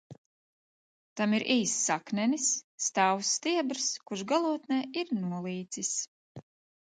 Tam ir īss saknenis, stāvs stiebrs, kurš galotnē ir nolīcis.